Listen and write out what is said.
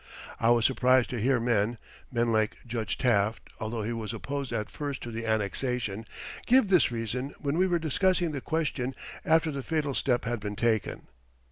I was surprised to hear men men like Judge Taft, although he was opposed at first to the annexation give this reason when we were discussing the question after the fatal step had been taken.